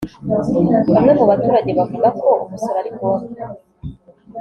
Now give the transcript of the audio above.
Bamwe mu baturage bavuga ko umusoro ari ngombwa